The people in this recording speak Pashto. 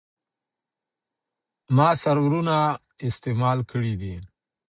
ما سرورونه استعمال کړي دي.